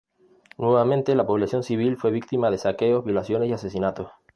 Nuevamente la población civil fue víctima de saqueos, violaciones y asesinatos.